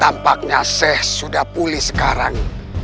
tampaknya seh sudah pulih sekarang